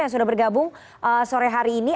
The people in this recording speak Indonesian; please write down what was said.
yang sudah bergabung sore hari ini